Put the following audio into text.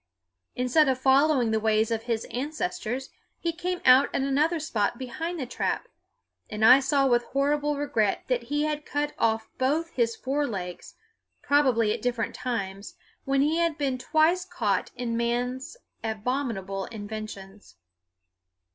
Instead of following the ways of his ancestors he came out at another spot behind the trap, and I saw with horrible regret that he had cut off both his fore legs, probably at different times, when he had been twice caught in man's abominable inventions.